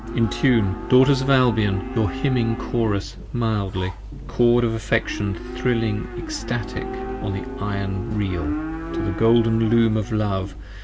Entune, Daughters of Albion, your hymning Chorus mildly: Cord of affection thrilling extatic on the iron Reel : To the golden Loom of Love!